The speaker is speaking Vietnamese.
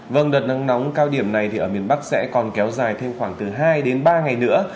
vâng đợt nắng nóng cao điểm này thì ở miền bắc sẽ còn kéo dài thêm khoảng từ hai đến ba ngày nữa